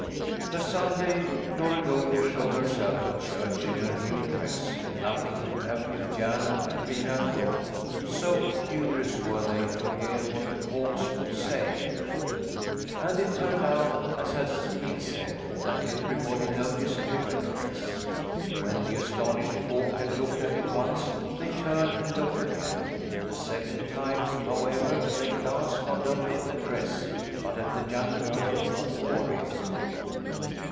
The Sunday Glory Goldie showed herself at church in her new dress, nothing could have kept Jan and Katrina at home, so curious were they to hear what folks would say. And it turned out, as has been said, that everybody noticed the red dress. When the astonished folk had looked at it once they turned and looked again; the second time, however, they glanced not only at the dress but at the young girl who wore it.